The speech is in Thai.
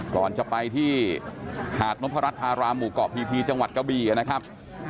ก่อนจะไปที่หาดนพรัชธารามหมู่เกาะพีพีจังหวัดกะบี่นะครับ